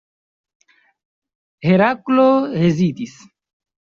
Heraklo hezitis.